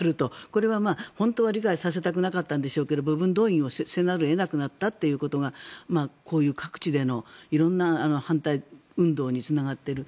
これは本当は理解させたくなかったんでしょうけど部分動員をせざるを得なくなったということがこういう各地での色んな反対運動につながっている。